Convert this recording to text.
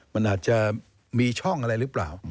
มันอาจจะมีช่องอะไรหรือเปล่า